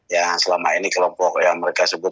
ya selama ini kelompok yang mereka sebut